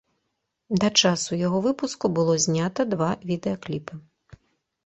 Да часу яго выпуску было знята два відэакліпы.